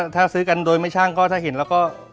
ถ้าซื้อกันโดยไม่ช่างก็ถ้าเห็นแล้วก็